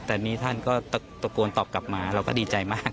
แต่นี่ท่านก็ตะโกนตอบกลับมาเราก็ดีใจมาก